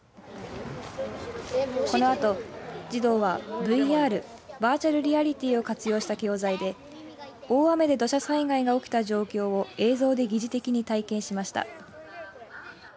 このあと、児童はＶＲ、バーチャルリアリティーを活用した教材で大雨で土砂災害が起きた状況を映像で疑似的に体験しました。